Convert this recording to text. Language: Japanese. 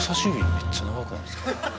めっちゃ長くないですか？